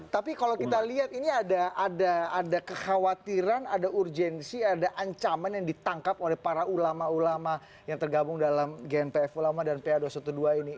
tapi kalau kita lihat ini ada kekhawatiran ada urgensi ada ancaman yang ditangkap oleh para ulama ulama yang tergabung dalam gnpf ulama dan pa dua ratus dua belas ini